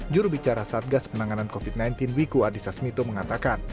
jurubicara satgas penanganan covid sembilan belas wiku adhisa smito mengatakan